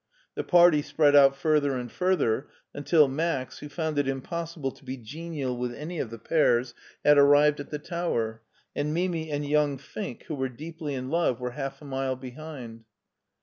The party spread out further and further, imtil Max, who foimd it impossible to be genial with any of the pairs, had arrived at the tower, and Mimi and young Fink, who were deeply in love, were half a mile behind.